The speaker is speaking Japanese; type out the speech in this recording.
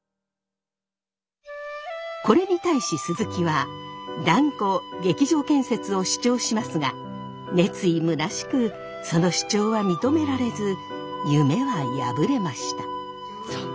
これに対し鈴木は断固劇場建設を主張しますが熱意むなしくその主張は認められず夢は破れました。